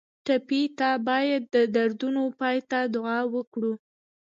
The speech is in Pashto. ټپي ته باید د دردونو پای ته دعا وکړو.